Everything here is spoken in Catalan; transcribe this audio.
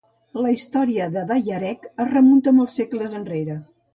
La història de dayereh es remunta molts segles enrere.